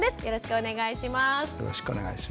よろしくお願いします。